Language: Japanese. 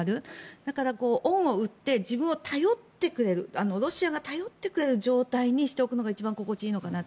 だから恩を売って自分を頼ってくれるロシアが頼ってくれる状態にしておくことが一番心地いいのかなと。